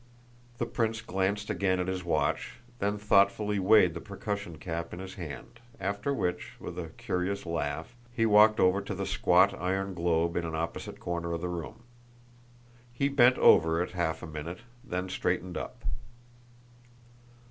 The prince glanced again at his watch, then thoughtfully weighed the percussion cap in his hand, after which, with a curious laugh, he walked over to the squat iron globe in an opposite corner of the room. He bent over it half a minute, then straightened up.